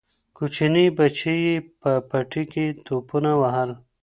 کوچني بچي یې په پټي کې ټوپونه وهل.